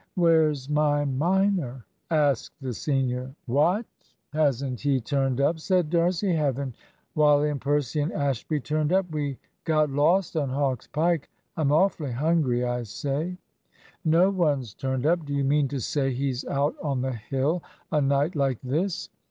"Where's my minor?" asked the senior. "What! hasn't he turned up?" said D'Arcy. "Haven't Wally and Percy and Ashby turned up? We got lost on Hawk's Pike. I'm awfully hungry, I say." "No one's turned up. Do you mean to say he's out on the hill a night like this?"